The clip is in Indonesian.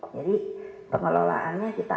jadi pengelolaannya kita